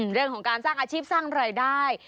เรื่องของการสร้างอาชีพสร้างรายได้